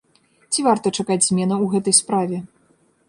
Ці варта чакаць зменаў у гэтай справе?